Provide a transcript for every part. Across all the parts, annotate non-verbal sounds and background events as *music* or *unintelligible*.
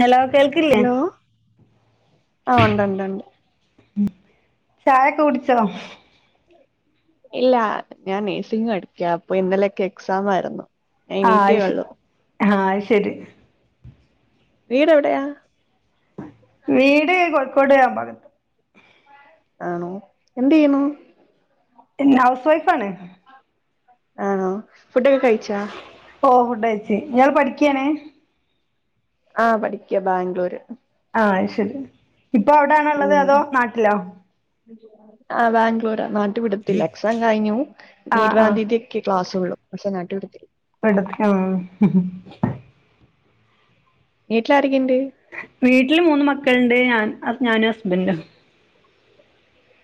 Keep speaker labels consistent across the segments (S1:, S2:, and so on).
S1: Hello കേൾക്കില്ലേ
S2: hello ആ ഉണ്ട് ഉണ്ട് ഉണ്ട്
S1: ഉ ചായൊക്കെ കുടിച്ചോ
S2: ഇല്ല ഞാൻ നേഴ്സിംഗ പഠിക്ക അപ്പൊ ഇന്നലൊക്കെ എക്സാ മായിരുന്നു
S1: ആ ആഹ് ശരി
S2: വീട് എവിടെയാ
S1: വീട് കോഴിക്കോട് ആ ഭാഗത്ത്
S2: ആണോ എന്ത് യ്യുന്നു
S1: എ ഹൗസ് വൈഫാണ്
S2: ആണോ ഫുഡൊക്കെ കഴിച്ചാ
S1: ഓ ഫുഡ് യച് ഇയാള്പഠിക്കാണ്
S2: ആഹ പഠിക്ക ബാംഗ്ലൂര്
S1: ആഹ അയ്ശരി ഇപ്പൊ അവിടെണള്ളത്
S2: ഉം
S1: അതോ നാട്ടിലോ
S2: ആ ബാംഗ്ലൂർ നാട്ടു വിടത്തില്ല എക്സാം കഴിഞ്ഞു
S1: ആഹ് ആഹ്
S2: ഇരുവാന്തിീയതി ക്ലാസ് ഉള്ളൂ പക്ഷെ നട്ടിടു
S1: ഇട *unintelligible*
S2: വീട്ടിലാരെക്കെയുണ്ട്
S1: വീട്ടില് മൂന്ന് മക്കളുണ്ട് ഞാൻ ഞാനും ഹസ്ബൻഡും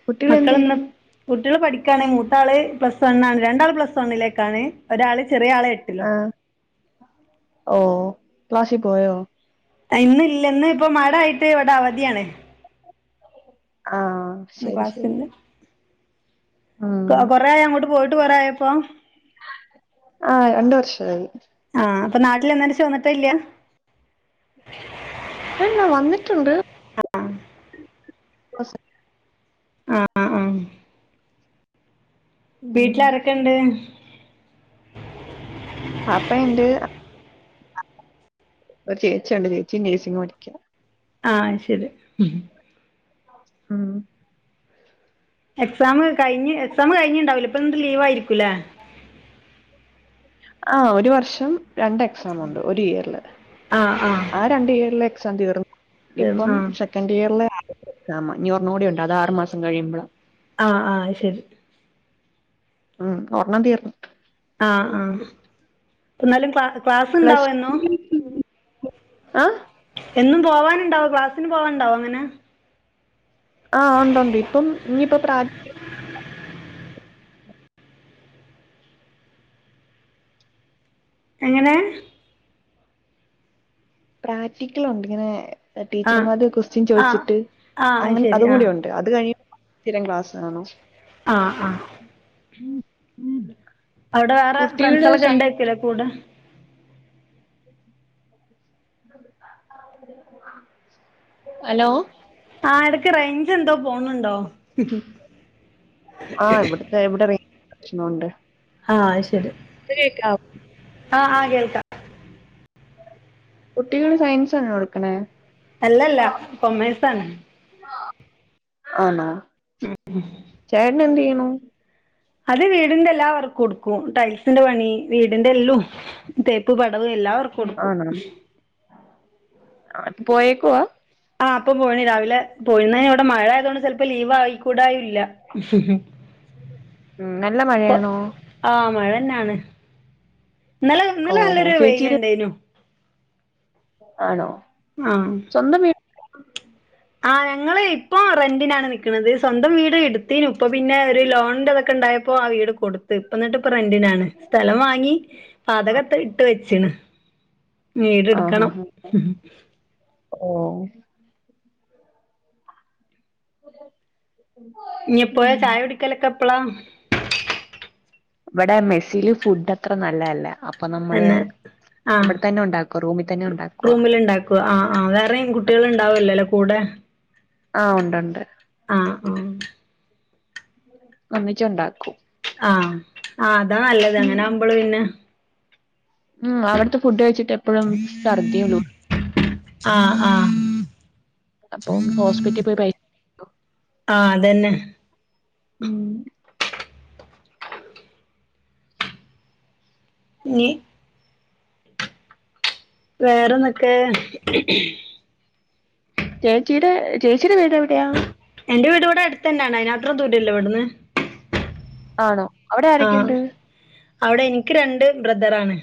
S2: കുട്ടികൾ എന്ത്
S1: മക്കള ഇന്ന്
S2: ചെയ്യുന്നു
S1: കുട്ടികള് പഠിക്കുകണെങ്ക മൂത്താള് പ്ലസ് വണ്ണ് രണ്ടാള് പ്ലസ് വണ്ണിലേക്കാണ് ഒരാള്െ ചെറിയ ആളെ എട്ടിലും
S2: ആ ഓ ക്ലാസ്സിൽ പോയോ
S1: ഇന്ന ഇ ഇന്ന് ഇപ്പൊ മഴയിട്ട് ഇവിടെ അവധിയാണ്
S2: ആഹ
S1: ഇന്ന്
S2: ശരി ശരി
S1: ക്ലാസ്സില്ല
S2: ആഹ
S1: കൊറെയ അങ്ങോട്ട് പോയിട്ട് കൊറയപ്പൊ
S2: ആഹ് രണ്ടു വർഷായി
S1: ആഹ് അപ്പൊ നാട്ടിൽ വന്നതിൻ്റെ ശേഷം വന്നിട്ടെ ഇല്ല
S2: അല്ലല്ല വന്നിട്ടുണ്ട് സ
S1: ആഹ ആഹ അഹ
S2: ഉം
S1: വീട്ടിലാരൊക്കെയുണ്ട്
S2: അപ്പ ഉണ്ട് ഒരു ചേച്ചിയുണ്ട് ചേച്ചി നേസിങ് പടിക്ക.
S1: ആഹ് ശരി ആഹ്.
S2: ആഹ്
S1: എക്സാം കഴിഞ് എക്സാം കഴിഞ്ഞട്ടുണ്ടാവില്ലോ ഇപ്പൊന്നിട്ട് ലീവ് ആയിരിക്കൂല്ലേ.
S2: ആ ഒരു വർഷം രണ്ട് എക്സാംണ്ട് ഒരു ഇയറില്.
S1: ആഹ് ആഹ്
S2: രണ്ട് ഇയറിലെ എക്സാം തീർന്നു ഇപ്പം
S1: ആഹ്
S2: സെക്കൻ് ഇയറിലെ ആദ്യത്തെ എക്സമാ ഇഞ് ഒരെണ്ണണം കൂടി ഉണ്ട് അത് ആറു മാസംഴിയുമ്പഴാ.
S1: ആഹ് ആഹ് ശരി.
S2: ആഹ് ഒരെണ്ണഠ തീർന്ന്.
S1: ആഹ് ആഹ് പ്പന്നാലും ക്ലാ ക്ലാസ്സ് ഇണ്ടാവോ
S2: പ്ലസ്
S1: എന്നും.
S2: ആ
S1: എന്നും പോവാന്ണ്ടാവോ ക്ലാസ്സിന് പോവാൻ ഇണ്ടാവോ അങ്ങനെ.
S2: ആഹ് ഒണ്ടൊണ്ട് ഇപ്പം ഇഞ്ഞിപ്പ പ്രാ
S1: *inaudible* എങ്ങനെ.
S2: പ്രാക്റ്റിക്കലൊണ്ട് ഇങ്ങനെ
S1: ആഹ്
S2: ടീച്ചർമാര് കൊസ്റ്റിയൻ
S1: ആഹ്
S2: ചോയിച്ചിട്ട്
S1: ആഹ് അത്
S2: അങ്ങെൻ
S1: ശരി ആഹ്
S2: അതുംകൂടിയുണ്ട്. അത് കഴിഞ്ഞിട്ട് സ്ഥിരം ക്ലാസ്സ് കാണും
S1: ആഹ് ആഹ്.
S2: ഉം ഉം.
S1: അവ്ടെ വേറെ ഫ്രണ്ട്സാളൊക്കെ ഇണ്ടെയ്ക്കുലെ കൂടെ.
S2: ഹലോ.
S1: ആഹ് എടക്ക് റേഞ്ച് എന്തോ പോണ് ണ്ടോ.
S2: ആഹ് ഇവ്ട്ത്തെ ഇവിടെ റെയ്ഞ്ചിന്റെ പ്രശ്ന ഉണ്ട്.
S1: ആഹ് അയ് ശരി.
S2: പ്പെ കേക്കാവോ
S1: ആഹ് ആഹ് കേൾക്കാ
S2: കുട്ടികള് സയൻസ്സാണോ എടുക്ക്ണേ.
S1: അല്ലല്ല കൊമേയ്സാണ്.
S2: ആണോ ചേട്ട്നെന്തെയ്യ്ന്നു
S1: അത് വീടിന്റെ എല്ലാവർക്കും ഇട്ക്കും ടൈൽസിന്റെ പണി വീടിന്റെ എല്ലും. തേപ്പ് പടവ് എല്ലാ വ
S2: ആണോ അപ്പൊ പോയേക്കുവാ.
S1: ആഹ് പ്പൊ പോയിണ് രാവിലെ പോയിണ് ഞ് അവ്ടെ മഴയാതോണ്ട് ചെൽ പ്പൊ ലീവ് ആയിക്കൂടായുല്ല.
S2: ഉം നല്ല മഴയാണോ.
S1: ആഹ് മഴ തന്നാണ് ഇന്നലെ ഇന്നലെ
S2: ഓഹോ
S1: നല്ലൊരു
S2: ചേച്ചിയുടെ
S1: വെയ്ല്ണ്ടേയ്നു.
S2: ആണോ
S1: ആഹ്
S2: സ്വന്തം വീ
S1: ആഹ് ഞങ്ങള് ഇപ്പൊ റെന്റിനാണ് നിക്ക്ണത് സ്വന്തം വീട് ഇട്ത്തിനു ഇപ്പ പിന്നെ വര് ലോണിന്റെതൊക്കെ ഇണ്ടായ പ്പൊ ആ വീട് കൊട്ത്ത് ഇപ്പന്നിട്ട്പ്പൊ റെന്റിനാണ് സ്ഥലം വാങ്ങി പാതകംപ്പ ഇട്ട് വെച്ചിണ് വീട് ഇട്ക്കണം.
S2: ഓഹ്
S1: ഇഞ് എപ്പൊയാ ചായ കുടിക്കലൊക്കെ എപ്പളാ.
S2: വടെ മെസ്സില് ഫുഡ് അത്ര നല്ലതല്ല അ അപ്പ നമ്മള്
S1: തന്നെ ആ
S2: ഇവ്ട്തന്നെ ഉണ്ടാക്കുവാ റൂമിത്തന്നെ ഉണ്ടാക്കുവാ.
S1: ക്കുവാ ആഹ് ആഹ് വേറെയും കുട്ടികള് ഇണ്ടാവൊല്ലല്ലാ കൂടെ.
S2: ആഹ് ഉണ്ട് ഉണ്ട്.
S1: ആഹ് ആഹ്
S2: ഒന്നിച്ച് ഉണ്ടാക്കും.
S1: ആഹ് ആഹ് അതാ നല്ലത് അങ്ങനെ ആവുമ്പള് പിന്നെ
S2: ഉം അവട്ത്തെ ഫുഡ് കഴിച്ചിട്ട് എപ്പഴും ഛർദിയെല്ലു ആണ്
S1: ആഹ് ആഹ്
S2: അപ്പം ഹോസ്പിറ്റി പോയി കഴി
S1: ആഹ് അതന്നെ
S2: ഉം
S1: ഞ്ഞീ വേറെന്തെക്കെ?
S2: ചേച്ചിടെ ചേച്ചിയുടെ വീട് എവിടെയാ?
S1: എൻ്റെ വീട് ഇവടെ എട്ത്തന്നാണ് അയിനാത്രം ദൂരല്ല ഇവട്ന്ന്.
S2: ആണോ അവടെ ആരക്കെണ്ട്?
S1: അഒടെ ഇൻക്ക് രണ്ട് ബ്രദർ ആണ്.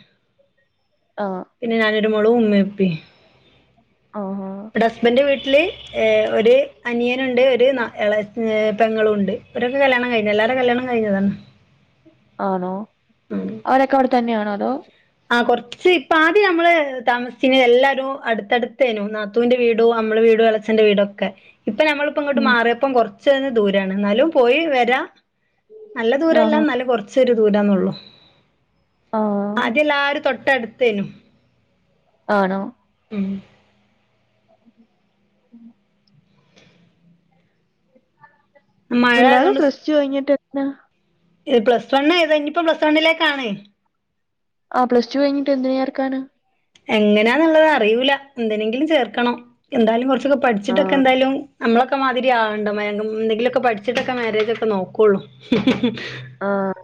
S2: ആഹ്
S1: പിന്നെ ഞാനൊരു മോളൂ ഉമ്മേ ഇപ്പിം.
S2: ആഹാ
S1: ഇവടെ ഹസ്ബൻ്റെ വീട്ട്ല് ഏഹ് ഒര് അനിയനുണ്ട് ഒര് ന എള ഏഹ് പെങ്ങളും ഉണ്ട്. ഇവരൊക്ക കല്യാണം കഴിഞ്ഞ് എല്ലാര കല്യാണം കഴിഞ്ഞതാണ്.
S2: ആണോ അവരൊക്കെ അവടെ തന്നെയാണോ അതോ?
S1: ആഹ് കൊർച്ച് ഇപ്പ ആദ്യം നമ്മള് താമസിച്ചീനേ എല്ലാരും അട്ത്തട്ത്തേനു നാ ത്തുന്റെ വീടോ നമ്മള വീടോ എളച്ചഛന്റെ വീടൊക്കെ ഇപ്പ നമ്മള്പ്പം ഇങ്ങോട്ട്
S2: ഉം.
S1: മാറിയപ്പം കൊർ ച്ചൊരു ദൂരാണ് എന്നാലും പോയി വരാ നല്ല ദൂരല്ല
S2: ആഹാ
S1: നല്ല കൊർച്ചൊരു ദൂരാന്നള്ളു.
S2: ആഹ്
S1: ആദ്യം എല്ലാരും തൊട്ടടുത്തേനു.
S2: ആണോ?
S1: ഉം
S2: ഉം ഉം
S1: മഴ
S2: പിള്ളാരെ പ്ലസ് ടു കഴിഞ്ഞിട്ട് എത്ത്നാ?
S1: ഹേ പ്ലസ് വൺ ഏതാ ഇത് ഇഞ്ഞിപ്പം പ്ലസ് വൺലേക്കാണ്.
S2: ആഹ് പ്ലസ് ടു കഴിഞ്ഞിട്ട് എന്തിന് ചേർക്കാനാ?
S1: എങ്ങനാന്നുള്ളേ അറിയൂല എന്തിനെങ്കിലും ചേർക്കണം എന്താലും കൊർ പട്ച്ചിട്ടൊക്കെ
S2: ആഹ്
S1: എന്തായാലും നമ്മളൊ ക്കെ മാതിരിയാകണ്ട മേഗം എന്തെങ്കിലുക്കെ പട്ച്ചിട്ടൊക്കെ മാരേജക്കെ നോക്കുള്ളു. *inaudible*
S2: ആഹ്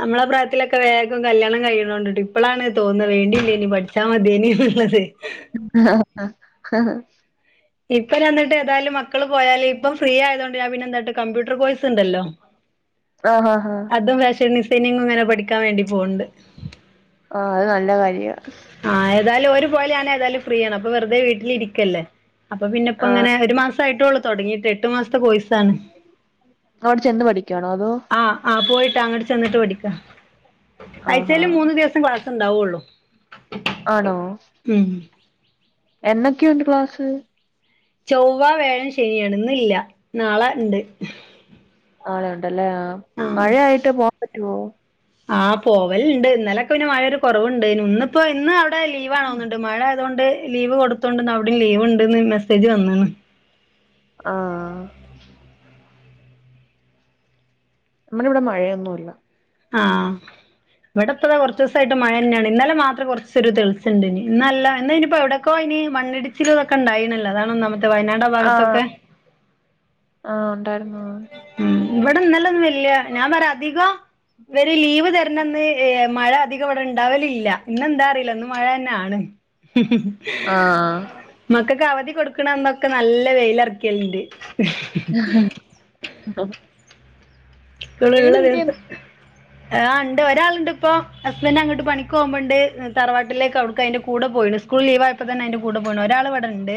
S1: നമ്മളെ പ്രായത്തിലക്കെ വേഗം കല്യാണം കഴിയണോണ്ട് ഇപ്പളാണ് തോന്നുന്നത് വേണ്ടില്ലേനി പട് ച്ചാമദേനി ന്ന്ള്ളത്
S2: ആ *inaudible*
S1: ഇപ്പഞ്ഞാന്ന്ട്ട് ഏതായാലും മക്കള് പോയാല് ഇപ്പം ഫ്രീ ആയതുകൊണ്ട് ഞാ പിന്നെന്താട്ട് കമ്പ്യൂട്ടർ കോഴ്സ് ഇണ്ടല്ലോ.
S2: ആഹ് ആഹ് ആഹ്
S1: അതും ഫാഷൻ ഡിസൈനിങ്ങുംങ്ങനെ പഠിക്കാൻ വേണ്ടി പോക്ണ്ട്.
S2: ആഹ് അത് നല്ല കാര്യ.
S1: ആഹ് ഏതായാലും ഓര് പോയാല് ഞാൻ ഏതാലും ഫ്രീയാണ് അപ്പൊ വെറുതെ വീട്ടിലിരിക്കല്ലേ. അപ്പ പിന്നെപ്പ
S2: ആഹ്
S1: ഇങ്ങനെ ഒരു മാസ ആയിട്ടൊള്ളൂ തൊടങ്ങിട്ട് എട്ട് മാസത്തെ കോഴ്സ് താണ്
S2: അവിടെ ചെന്ന് പഠിക്കുവാണോ അതോ
S1: ആഹ് ആഹ് പോയിട്ട അങ്ങട് ചെന്നിട്ട് പടിക്ക
S2: ആഹാ
S1: ആഴ്ച്ചേൽ മൂന്ന് ദിവസം ക്ലാസ്ണ്ടാവുള്ളു.
S2: ആണോ എന്നക്കെയുണ്ട് ക്ലാസ്സ്?
S1: ചൊവ്വ, വേഴം, ശനിയാണ് ഇന്ന്ല്ല നാളെ ഇണ്ട്.
S2: ആളെണ്ടല്ലേ ആഹ് മഴയായിട്ട് പോവാൻ പറ്റോ?
S1: ആഹ് പോവല്ണ്ട് ഇന്നലക്കെ പിന്നെ മഴ ഒരു കൊറവ്ണ്ടേയ്നു. ഇന്ന് ഇപ്പോ ഇന്ന് അഒടെ ലീവ് ആണോന്നുണ്ട് മഴ അതൊണ്ട് ലീവ് കൊടുത്തോണ്ട്ന്ന് അഒടിം ലീവ് ഉണ്ട്ന്ന് മെസ്സേജ് വന്ന്ണ്.
S2: ആ. നമ്മടെവിടെ മഴയൊന്നുല്ല.
S1: ആ, ഇവിടെപ്പത കൊറച്ചുസായിട്ട് മഴന്നെയാണ് ഇന്നലെ മാ ത് കൊറച്ചൊരു തെളിച്ചണ്ടിനി. ഇന്നല്ല ഇന്നയിനിപ്പോ എവിടക്കോയ്നി മണ്ണിടിച്ചിലതൊക്കണ്ടായിനലോ അതാണ് ഒന്നാമ്മത്തെ വയനാട്.
S2: ആ,
S1: ഭാഗത്തൊക്കെ
S2: ആ, ഉണ്ടായിരുന്നു.
S1: ഇവിടെന്നല്ലൊന്നുല്യ ഞാൻ പറ അധികം ഇവര് ലീവ് തര് ണന്ന് ഏ, മഴ അധികം. ക്കെ അവിടെ ഇണ്ടാവലില്ല. ഇന്നെന്താ അറിയില്ല ഇന്ന് മഴന്നെയാണ്.
S2: ആഹ്
S1: മക്കക്ക് അവധി കൊടുക്കണന്നൊക്കെ നല്ല വെയിലറയ്ക്കിലിണ്ട്.
S2: ഹ *unintelligible* ഹ.
S1: ക്ക്ൾയിളള്ള ദിവസം. ആ. ഉണ്ട് ഒരാളിണ്ട്പ്പോ ഹസ്മ്പന്റ് അങ്ങട്ട് പണിക്ക. കുമ്പോണ്ട് തറവാട്ടിലേക്ക് അവിടേക്കു അയിന്റെ കൂടെ പോയിണ്. സ്കൂൾ ലീവായപ്പോ തന്നേയ് അയിന്റെ കൂടെ പോണം. ഒരാളിവിടെയ്ണ്ട്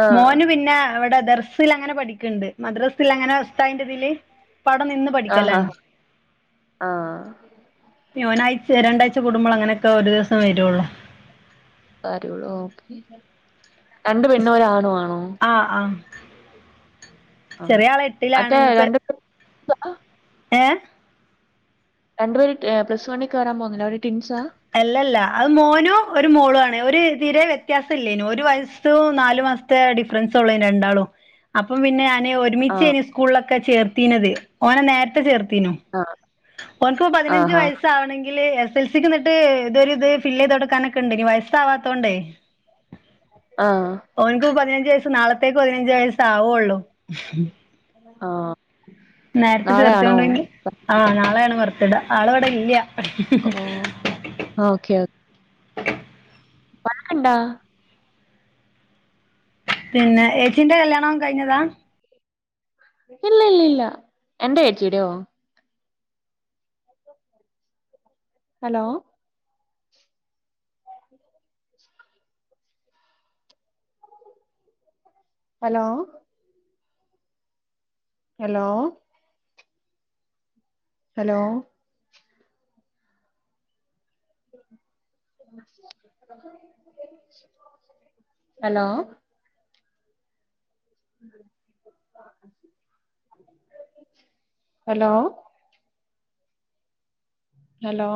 S2: ആഹ്
S1: മോന് പിന്നെ അവിടെ ദർസ് സിലങ്ങനെ പഠിക്ക്ണ്ട്. മദ്രസിൽ അങ്ങനെ ഉസ്താദിന്റെ ഇതില് ഇപ്പോ അവിടെ നിന്ന്
S2: ആഹ്
S1: പഠിക്കലാണ്.
S2: ആഹ് ആഹ്
S1: ഒരാഴ്ചേ, രണ്ടാഴ്ചേ കുടുംബളങ്ങനെയൊക്കെ ഒരു ദിവസം വരൊള്ളൂ.
S2: വരൊള്ളു, ഓകെ. രണ്ട്പെണ്ണും ഒരാണു ആണോ.
S1: ആ, ആ, ചെറിയാള് എട്ടിലാണ് ഇന്നിപ്പോ.
S2: ആ *inaudible*
S1: ഏ..
S2: രണ്ടു പേര് പ്ലസ് വ ണികേറാൻ പോവുന്നിലെ അവര് ടിൻസാ.
S1: അല്ലല്ല, അത് മോനും ഒരു മോളു ആണ്. ഒരു തീരെ വ്യത്യാസം ഇല്ലേനും ഒരു വയസ് സും നാല്മാസത്തെ ഡിഫറൻസൊള്ളൂ രണ്ടാളും. അപ്പം പിന്നെ ഞൻ ഒരുമിചെ
S2: ആഹ്
S1: കൂളൊക്കെ ചേർത്തീനത് ഓനെ നേർത്തെ ചേർത്തീനു.
S2: ആ.
S1: ഒന്ക്ക് പതിനഞ്ച് വയസ്സവാണെങ്കില് എ എസ് എസ് ൽ സിക്കുന്നിട്ട് ഇതരു ഇത് ഫിൽ ചെയ്തൊടുക്കാനൊക്കെണ്ടെയ്നി വയസ്സാവാത്തോണ്ടേ.
S2: ആ.
S1: ഓന്ക്ക് പതിനഞ്ച് വയസ്സ് നാളത്തേക്ക് പതിനഞ്ച് വയസാവൊള്ളു.
S2: ആ.
S1: നേരത്തെ ചേർത്തൊണ്ടങ്കി ആ, നാളെയാണ് ബെർത്തിടെ ആളിവിടെ ഇല്യ.
S2: ഓ, ഓക്കെ, ഓക്കെ. പണകണ്ടാ. *unintelligible*
S1: പിന്നെ ഏച്ചിന്റെ കല്യാണം കഴിഞ്ഞതാ.
S2: ഇല്ല ഇല്ല ഇല്ല എന്റെ ചേച്ചിടോ? *inaudible* Hello. Hello. Hello. Hello. Hello. Hello. Hello.